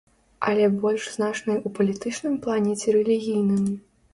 Але больш значнай у палітычным плане ці рэлігійным?